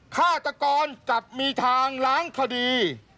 ฆาตกรกลับมีทางล้างคดี